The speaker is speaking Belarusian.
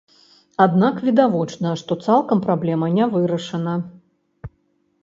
Аднак відавочна, што цалкам праблема не вырашана.